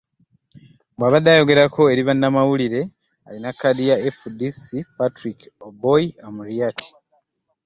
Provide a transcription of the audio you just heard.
Bw'abadde ayogerako eri bannamawulire, alina kkaadi ya FDC, Patrick Oboi Amuriat